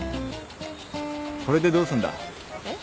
これでどうすんだ？えっ？